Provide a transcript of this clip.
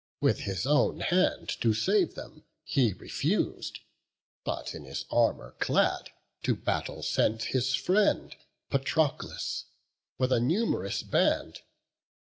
With his own hand to save them he refus'd; But, in his armour clad, to battle sent His friend Patroclus, with a num'rous band.